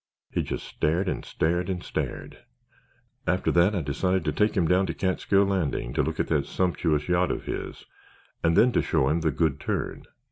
He just stared and stared and stared. After that I decided to take him down to Catskill Landing to look at that sumptuous yacht of his and then to show him the Good Turn.